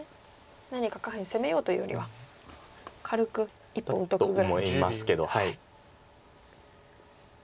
何か下辺攻めようというよりは軽く一本。と思いますけど。